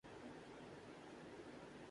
سارے جہان کا گند وہاں نظر آ رہا تھا۔